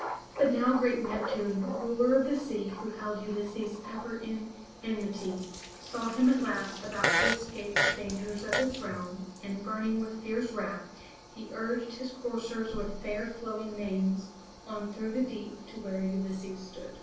But now great Nep'tune, ruler of the sea, who held Ulysses ever in enmity, saw him at last about to escape the dangers of his realm, and, burning with fierce wrath, he urged his coursers with fair flowing manes on through the deep to where Ulysses stood.